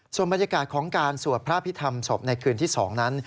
ส่วนบรรยากาศของการสวดพระพิธรรมศพในคืนที่๒นั้น